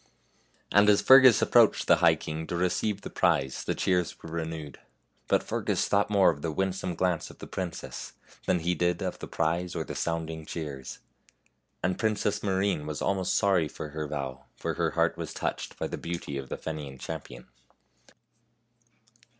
And as Fergus ap proached the high king to receive the prize the cheers were renewed. But Fergus thought more of the winsome glance of the princess than he did of the prize or the sounding cheers. And Princess Maureen was almost sorry for her vow, for her heart was touched by the beauty of the Fenian champion.